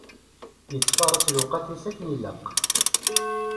Yettfaraṣ lweqt-is akken ilaq.